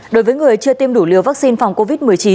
đối với người chưa tiêm đủ liều vaccine phòng covid một mươi chín